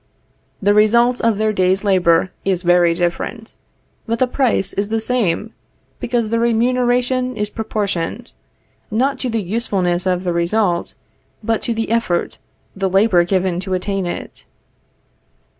The result of their day's labor is very different, but the price is the same, because the remuneration is proportioned, not to the usefulness of the result, but to the effort, the labor given to attain it.